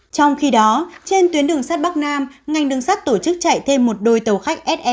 trong khi đó trên tuyến đường sắt bắc nam ngành đường sắt tổ chức chạy thêm một đôi tàu khách se ba mươi bốn